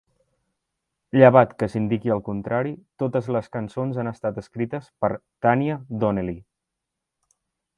Llevat que s'indiqui el contrari, totes les cançons han estat escrites per Tanya Donelly.